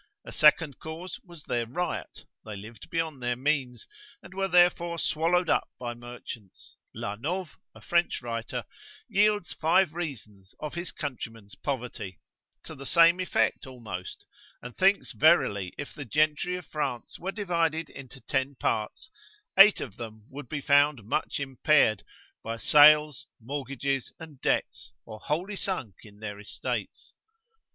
A second cause was their riot, they lived beyond their means, and were therefore swallowed up by merchants. (La Nove, a French writer, yields five reasons of his countrymen's poverty, to the same effect almost, and thinks verily if the gentry of France were divided into ten parts, eight of them would be found much impaired, by sales, mortgages, and debts, or wholly sunk in their estates.)